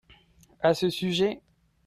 à ce sujet.